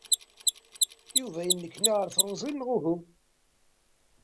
Yuba yennekna ɣer tẓuri neɣ uhu?